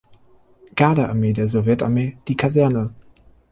Gardearmee der Sowjetarmee die Kaserne.